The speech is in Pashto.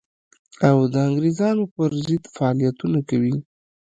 او د انګرېزانو پر ضد فعالیتونه کوي.